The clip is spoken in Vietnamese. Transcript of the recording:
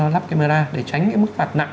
lắp camera để tránh mức phạt nặng